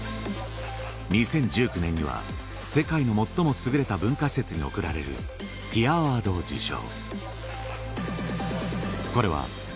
２０１９年には世界の最も優れた文化施設に贈られるティア・アワードを受賞